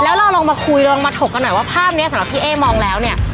แล้วเราลองมาคุยลองมาถกกันหน่อยว่าภาพนี้สำหรับพี่เอ๊มองแล้วเนี่ย